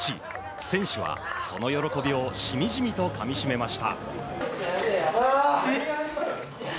選手はその喜びをしみじみとかみしめました。